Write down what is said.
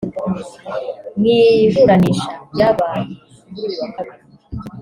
Mu iburanisha ryabaye kuri uyu wa Kabiri